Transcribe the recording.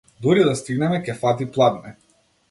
Дури да стигнеме ќе фати пладне.